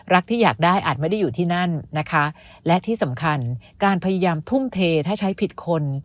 ที่อยากได้อาจไม่ได้อยู่ที่นั่นนะคะและที่สำคัญการพยายามทุ่มเทถ้าใช้ผิดคน